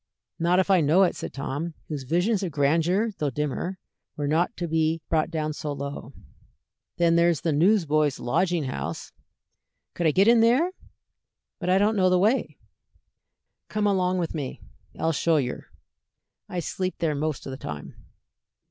"Not if I know it," said Tom, whose visions of grandeur, though dimmer, were not to be brought down so low. "Then there's the Newsboys' Lodging House." "Could I get in there? But I don't know the way." "Come along with me; I'll show yer. I sleep there most o' the time."